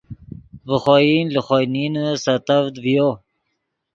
ڤے خوئن لے خوئے نینے سیتڤد ڤیو